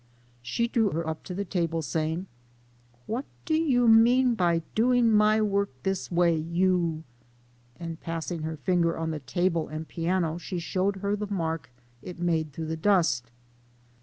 She drew her up to the table, saying, " What do you mean by doing my work this way, you !" and passing her finger on the table and piano, she showed her the mark it made through the dust.